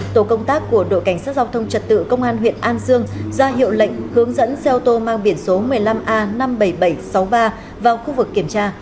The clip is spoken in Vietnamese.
tổ công tác của đội cảnh sát giao thông trật tự công an huyện an dương ra hiệu lệnh hướng dẫn xe ô tô mang biển số một mươi năm a năm mươi bảy nghìn bảy trăm sáu mươi ba vào khu vực kiểm tra